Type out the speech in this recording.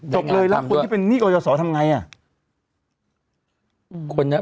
จบเลยแล้วคนที่เป็นนี่ก็จะสอดทำไง